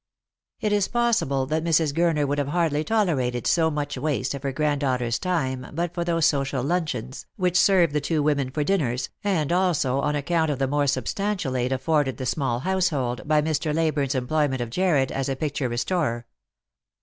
It is possible that Mrs. Gurner would have hardly tolerated eo much waste of her granddaughter's time but for those social luncheons, which served the two women for dinners, and also on account of the more substantial aid afforded the small household by Mr. Leyburne's employment of Jarred as a pic ture restorer.